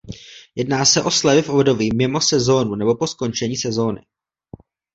Jedná se o slevy v období mimo sezónu nebo po skončení sezóny.